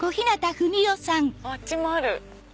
あっちもある！